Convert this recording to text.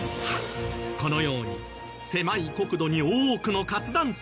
このように狭い国土に多くの活断層がある。